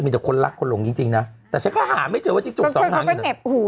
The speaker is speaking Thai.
มันรักคนหลงจริงนะแต่ฉันก็หาไม่เจอว่าจิ้งจกสองหางอยู่